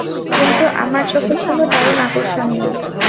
কিন্তু আমার চোখে ছিল দারুণ আকর্ষণীয়।